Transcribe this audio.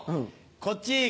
こっち